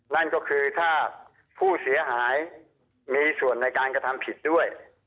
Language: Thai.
นั่นก็คือถ้าผู้เสียหายมีส่วนในการกระทำผิดด้วย